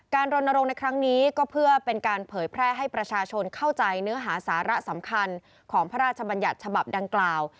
รณรงค์ในครั้งนี้ก็เพื่อเป็นการเผยแพร่ให้ประชาชนเข้าใจเนื้อหาสาระสำคัญของพระราชบัญญัติฉบับดังกล่าว